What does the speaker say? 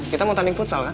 kita mau tanding futsal kan